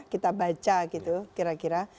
kita baca gitu kira kira